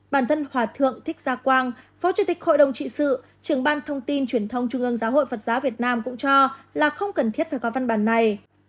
bản thân hòa thượng thích gia quang phó chủ tịch hội đồng trị sự trưởng ban thông tin truyền thông trung ương giáo hội phật giáo việt nam cũng cho là không cần thiết phải có văn bản này